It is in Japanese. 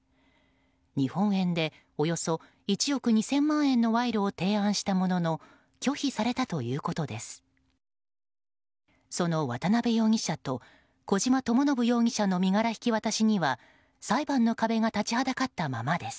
日本円でおよそ１億２０００万円の賄賂を提案したものの拒否されたということです。